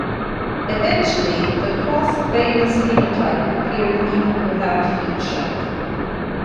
Eventually, the crossveinless phenotype appeared even without heat shock.